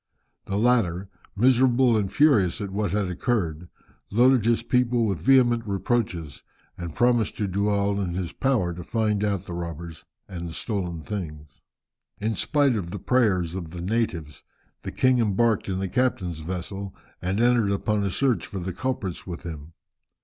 The latter, miserable and furious at what had occurred, loaded his people with vehement reproaches, and promised to do all in his power to find out the robbers and the stolen things. In spite of the prayers of the natives, the king embarked in the captain's vessel, and entered upon a search for the culprits with him.